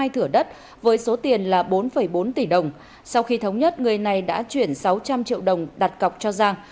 hai thửa đất với số tiền là bốn bốn tỷ đồng sau khi thống nhất người này đã chuyển sáu trăm linh triệu đồng đặt cọc cho giang